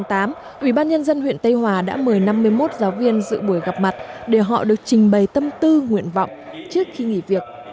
ngày chín tháng tám ủy ban nhân dân huyện tây hòa đã mời năm mươi một giáo viên dự buổi gặp mặt để họ được trình bày tâm tư nguyện vọng trước khi nghỉ việc